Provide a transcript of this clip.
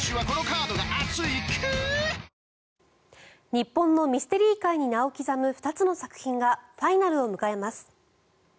日本のミステリー界に名を刻む２つの作品がファイナルを迎えます。